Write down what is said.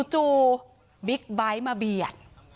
จู่บิ๊กไบท์มาเบียด